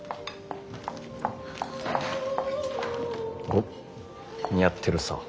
おっ似合ってるさぁ。